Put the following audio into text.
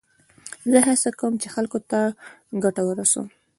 زه هڅه کوم، چي خلکو ته ګټه ورسوم.